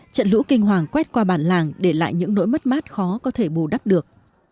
trận lũ kinh hoàng quét qua bản làng để lại những nỗi mất mát khó có thể bù đắp được